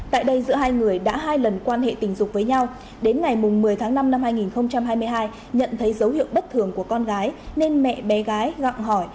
tại đây giữa hai người đã hai lần quan hệ tình dục với nhau đến ngày một mươi tháng năm năm hai nghìn hai mươi hai nhận thấy dấu hiệu bất thường của con gái nên mẹ bé gái gặng hỏi